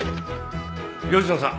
吉野さん